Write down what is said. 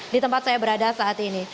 di tempat saya berada saat ini